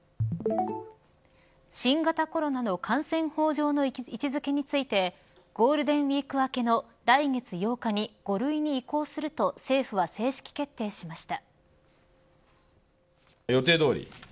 新型コロナの感染症法上の位置づけについてゴールデンウイーク明けの来月８日に５類に移行すると政府は正式決定しました。